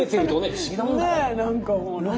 不思議なもんだね。